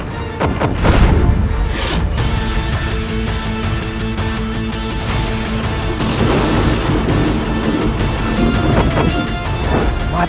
perlahan akan itu